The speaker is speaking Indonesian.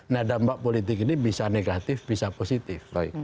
nah dampak politik ini bisa negatif bisa positif